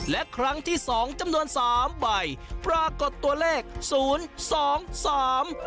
และครั้งที่สองจำนวนสามใบปรากฏตัวเลขศูนย์สองสาม